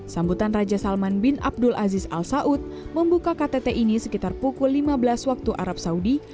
sambutan raja salman bin abdul aziz al saud membuka ktt ini sekitar pukul lima belas waktu arab saudi